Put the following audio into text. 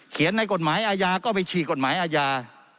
ในกฎหมายอาญาก็ไปฉีกกฎหมายอาญา